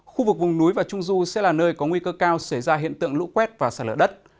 khu vực vùng núi và trung du sẽ là nơi có nguy cơ cao xảy ra hiện tượng lũ quét và xả lở đất